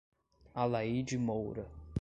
Alaide Moura